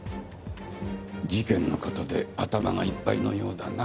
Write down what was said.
事件の事で頭がいっぱいのようだな